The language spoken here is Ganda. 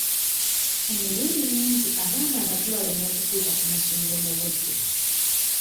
Emirundi mingi abaana abato balemwa okutuuka ku masomero mu budde.